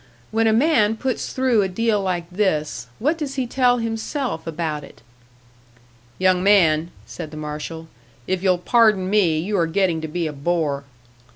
When a man puts through a deal like this, what does he tell himself about it?" "Young man," said the marshal, "if you'll pardon me, you are getting to be a bore."